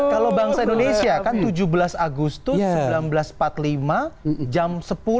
kalau bangsa indonesia kan tujuh belas agustus seribu sembilan ratus empat puluh lima jam sepuluh